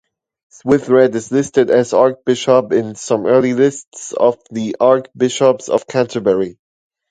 Swithred is listed as archbishop in some early lists of the archbishops of Canterbury.